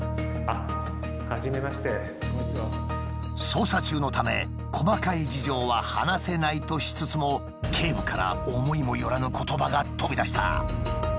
捜査中のため細かい事情は話せないとしつつも警部から思いもよらぬ言葉が飛び出した。